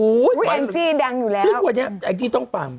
แองจี้ดังอยู่แล้วซึ่งวันนี้แองจี้ต้องฟัง